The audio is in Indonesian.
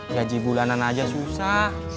jaji bulanan aja susah